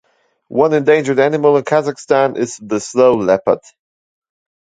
One endangered animal in Kazakhstan is the snow leopard.